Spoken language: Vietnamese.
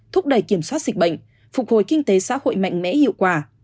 thúc đẩy kiểm soát dịch bệnh phục hồi kinh tế xã hội mạnh mẽ hiệu quả